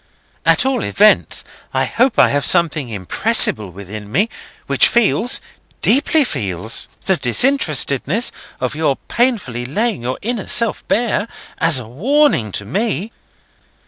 At all events, I hope I have something impressible within me, which feels—deeply feels—the disinterestedness of your painfully laying your inner self bare, as a warning to me."